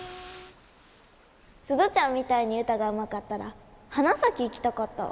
鈴ちゃんみたいに歌がうまかったら花咲行きたかったわ。